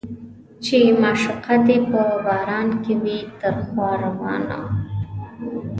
چې معشوقه دې په باران کې وي تر خوا روانه